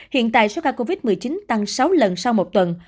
hiện tại số ca covid một mươi chín tăng sáu lần sau một tuần